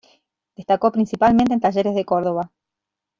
Destacó principalmente en Talleres de Córdoba.